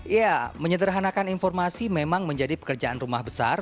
ya menyederhanakan informasi memang menjadi pekerjaan rumah besar